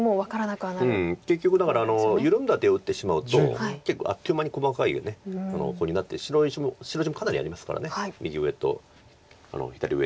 結局だから緩んだ手を打ってしまうと結構あっという間に細かい碁になって白地もかなりありますから右上と左上の方に。